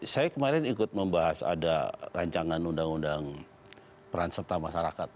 saya kemarin ikut membahas ada rancangan undang undang peran serta masyarakat